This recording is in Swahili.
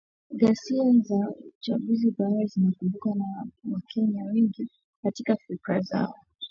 Ghasia za uchaguzi bado zinakumbukwa na Wakenya wengi katika fikra zao.